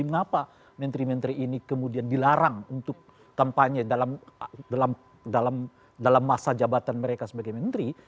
mengapa menteri menteri ini kemudian dilarang untuk kampanye dalam masa jabatan mereka sebagai menteri